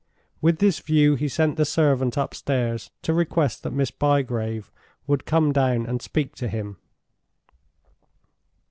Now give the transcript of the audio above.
With this view he sent the servant upstairs to request that Miss Bygrave would come down and speak to him.